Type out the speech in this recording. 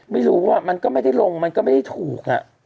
ไม่รู้ว่ามันก็ไม่ได้ลงมันก็ไม่ได้ถูก